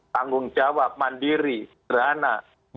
tanggung jawab mandiri sederhana